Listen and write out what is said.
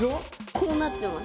こうなってます。